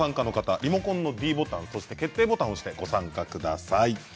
リモコンのｄボタンと決定ボタンを押してご参加ください。